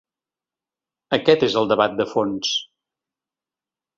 Aquest és el debat de fons.